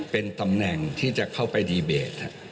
เป็นตำแหน่งที่จะเข้าไปดีเบต